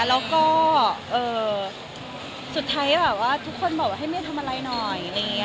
แล้วก็สุดท้ายแบบว่าทุกคนบอกว่าให้เมียทำอะไรหน่อย